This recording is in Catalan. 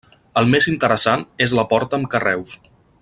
El més interessant és la porta amb carreus.